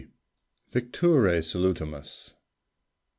VICTURÆ SALUTAMUS.